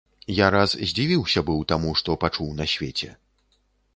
Я раз здзівіўся быў таму, што пачуў на свеце.